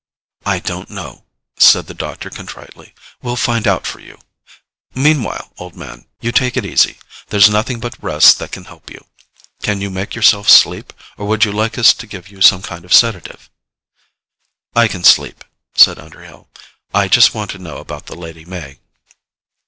"I don't know," said the doctor contritely. "We'll find out for you. Meanwhile, old man, you take it easy. There's nothing but rest that can help you. Can you make yourself sleep, or would you like us to give you some kind of sedative?" "I can sleep," said Underhill. "I just want to know about the Lady May."